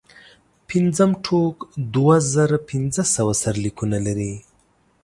پنځم ټوک دوه زره پنځه سوه سرلیکونه لري.